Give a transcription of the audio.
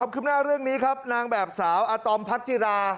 ขึ้นหน้าเรื่องนี้ครับนางแบบสาวอาตอมพักจิรา